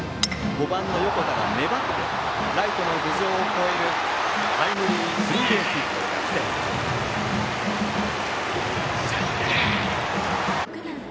５番の横田が粘ってライトの頭上を越えるタイムリースリーベースヒットで逆転。